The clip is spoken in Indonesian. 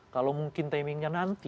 kalau mungkin timingnya nanti